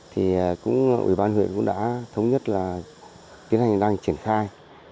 thì ủy ban huyện cũng đã thống nhất là tiến hành đang triển khai